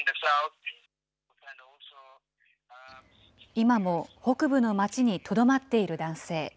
今も北部の街にとどまっている男性。